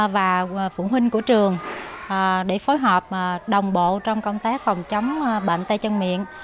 và phụ huynh của trường để phối hợp đồng bộ trong công tác phòng chống bệnh tay chân miệng